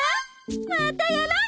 またやろうね！